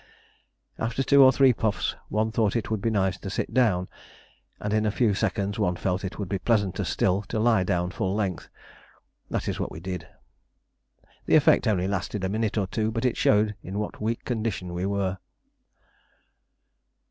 After the two or three puffs one thought it would be nice to sit down, and in a few seconds one felt it would be pleasanter still to lie down full length. That is what we did. The effect only lasted a minute or two, but it showed in what a weak condition we were.